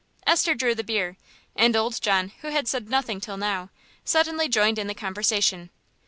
Esther drew the beer, and Old John, who had said nothing till now, suddenly joined in the conversation.